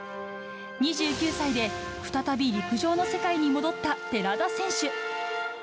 ２９歳で再び陸上の世界に戻った寺田選手。